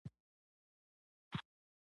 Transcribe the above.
د ونو شنې پاڼې چاپېریال ته ښکلا ورکوي.